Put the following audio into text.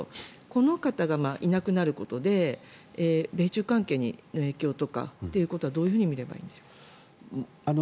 この方がいなくなることで米中関係への影響とかはどういうふうに見ればいいんでしょうか。